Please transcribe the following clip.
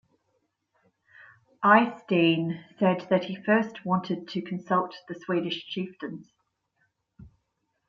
Eysteinn said that he first wanted to consult the Swedish chieftains.